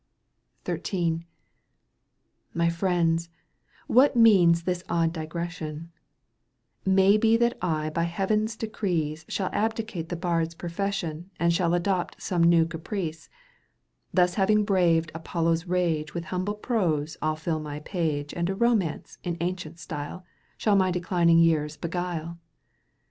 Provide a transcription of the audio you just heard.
XIII. My friends, what means this odd digression ? May be that I by heaven's decrees Shall abdicate the bard's profession And shall adopt some new caprica Thus having braved Apollo's rage With humble prose I'll fill my page And a romance in ancient style SlmU my declining years beguile ; Digitized by VjOOQ 1С CANTO in. EUGENE ONEGUINE.